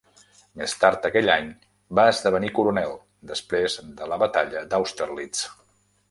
Més tard aquell any, va esdevenir coronel, després de la batalla d'Austerlitz.